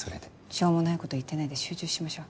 しょうもないこと言ってないで集中しましょう。